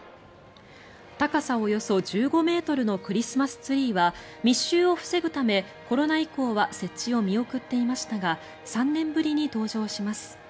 高さおよそ１５ｍのクリスマスツリーは密集を防ぐため、コロナ以降は設置を見送っていましたが３年ぶりに登場します。